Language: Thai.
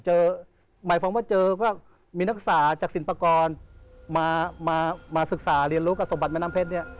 หมายความว่าเจอก็มีนักศึกษาจากศิลปากรมาศึกษาเรียนรู้กับสมบัติแม่น้ำเพชรเนี่ย